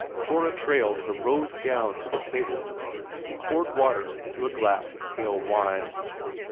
Cora trailed her rose gown to the table and poured water into a glass of pale wine.